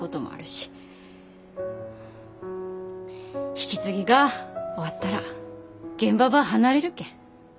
引き継ぎが終わったら現場ば離れるけん。